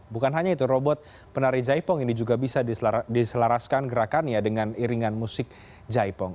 bukan hanya itu robot penari jaipong ini juga bisa diselaraskan gerakannya dengan iringan musik jaipong